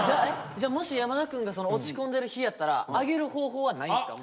じゃあもし山田くんが落ち込んでる日やったら上げる方法はないんすか？